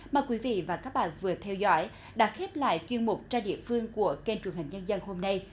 mời quý vị và các bạn vừa theo dõi đã khép lại chuyên mục tra địa phương của kênh truyền hình nhân dân hôm nay